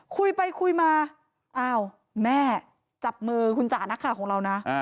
คุยไปคุยมาอ้าวแม่จับมือคุณจ๋านักข่าวของเรานะ